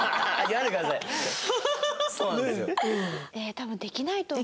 多分できないと思う。